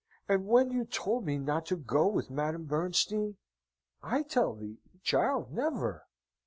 And when you told me not to go with Madame Bernstein..." "I tell thee, child? never."